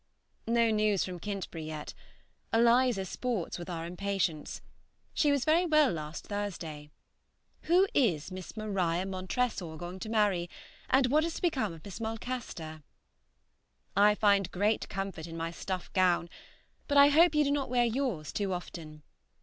No news from Kintbury yet. Eliza sports with our impatience. She was very well last Thursday. Who is Miss Maria Montresor going to marry, and what is to become of Miss Mulcaster? I find great comfort in my stuff gown, but I hope you do not wear yours too often.